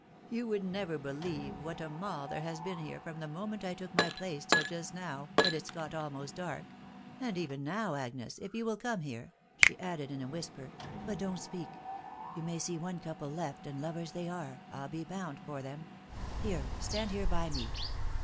You would never be lieve what a mall there has been here from the moment I took my place till just now, that it's got almost dark ;.... and eren now, Agnes', if you will come here/' .... she added in a whisper, ...." but don't speak «... you may see one couple left, and lovers they are, I'll be bound for them .... Here, stand here by me.